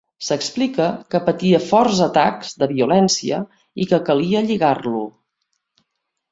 S'explica que patia forts atacs de violència i que calia lligar-lo.